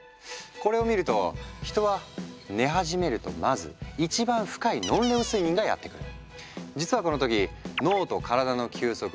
これを見ると人は寝始めるとまず一番深いノンレム睡眠がやって来る。